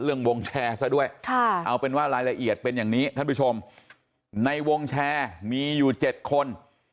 วงแชร์ซะด้วยเอาเป็นว่ารายละเอียดเป็นอย่างนี้ท่านผู้ชมในวงแชร์มีอยู่๗คน